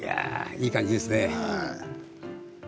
いい感じですね。